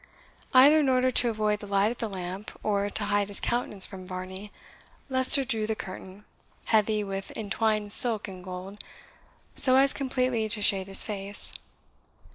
Either in order to avoid the light of the lamp, or to hide his countenance from Varney, Leicester drew the curtain, heavy with entwined silk and gold, so as completely to shade his face.